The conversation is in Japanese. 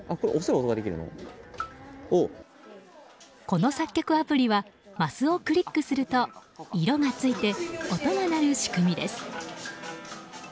この作曲アプリはマスをクリックすると色がついて音が鳴る仕組みです。